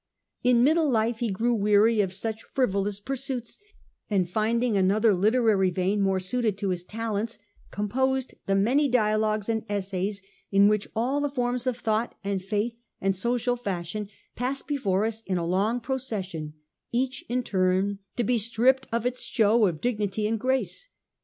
In middle life he grew wearied of such frivolous pursuits, and finding another literary vein more suited to his talents, composed the many dialogues and essays in which all the forms of thought and faith and social fashion pass before us in a long procession, each in turn to be stripped of its show of digpiity and grace.